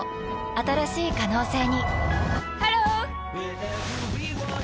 新しい可能性にハロー！